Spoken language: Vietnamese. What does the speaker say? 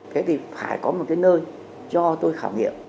thế thì phải có một cái nơi cho tôi khảo nghiệm